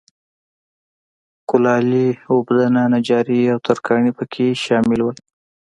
کولالي، اوبدنه، نجاري او ترکاڼي په کې شامل وو